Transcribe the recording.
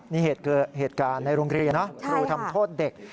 นี่เหตุการณ์ในโรงเรียนนะครูทำโทษเด็ก